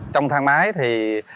trong thang máy thì